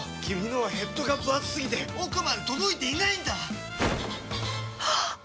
君のはヘッドがぶ厚すぎて奥まで届いていないんだっ！